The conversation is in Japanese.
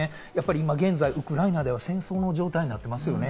今現在ウクライナでは戦争の状態になってますよね。